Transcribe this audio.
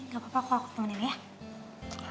gak apa apa kalau aku nemenin ya